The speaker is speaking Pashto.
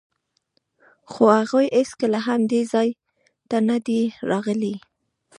خو هغوی هېڅکله هم دې ځای ته نه دي راغلي.